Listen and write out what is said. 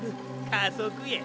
加速や。